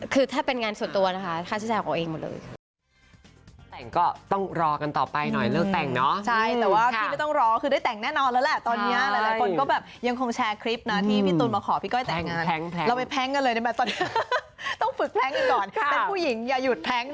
คือถ้าเป็นงานส่วนตัวนะคะค่าใช้จ่ายของเขาเองหมดเลย